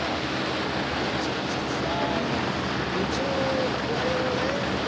いやもうネチネチとさあ。